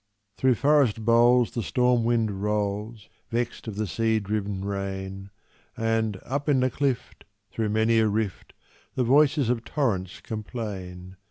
Through forest boles the storm wind rolls, Vext of the sea driv'n rain; And, up in the clift, through many a rift, The voices of torrents complain.